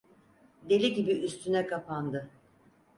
Deli gibi üstüne kapandı.